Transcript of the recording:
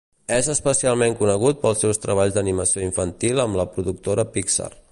És especialment conegut pels seus treballs d'animació infantil amb la productora Pixar.